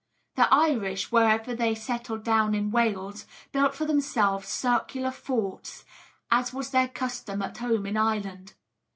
The Irish, wherever they settled down in Wales, built for themselves circular forts, as was their custom at home in Ireland.